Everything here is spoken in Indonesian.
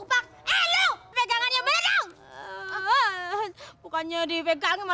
bawa buka buka